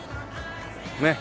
ねっ。